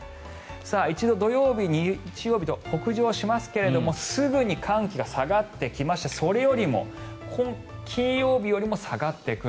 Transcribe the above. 一度、土曜日日曜日と北上しますけどすぐに寒気が下がってきましてそれよりも金曜日よりも下がってくる。